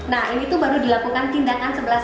nah ini tuh baru dilakukan tindakan sebelas